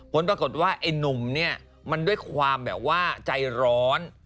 ผลปรากฏว่าไอ้หนุ่มเนี่ยมันด้วยความแบบว่าใจร้อน